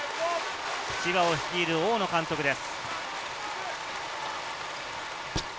千葉を率いる大野監督です。